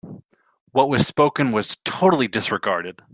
What was spoken was totally disregarded.